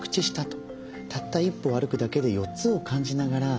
たった一歩歩くだけで４つを感じながら進めていく。